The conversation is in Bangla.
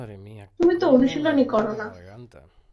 তুমি তো অনুশীলনই কর না।